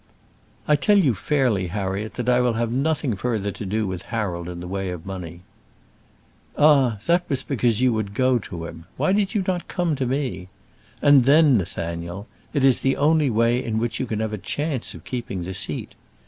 "I tell you fairly, Harriet, that I will have nothing further to do with Harold in the way of money." "Ah! that was because you would go to him. Why did you not come to me? And then, Nathaniel, it is the only way in which you can have a chance of keeping the seat.